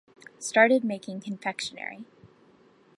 Started making confectionery.